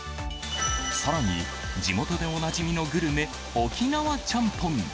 さらに地元でおなじみのグルメ、沖縄ちゃんぽん。